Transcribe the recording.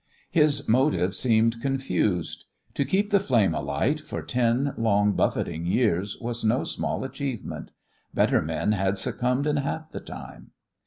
His motive seemed confused. To keep the flame alight for ten long buffeting years was no small achievement; better men had succumbed in half the time.